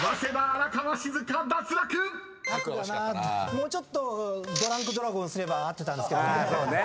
もうちょっとドランクドラゴンにすれば合ってたんですけどね。